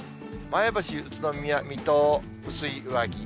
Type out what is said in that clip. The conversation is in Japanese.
前橋、宇都宮、水戸、薄い上着。